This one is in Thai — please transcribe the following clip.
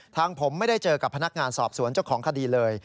ทางผมไม่ได้เจอกับพนักงานสอบสวนเจ้าของคดีเลย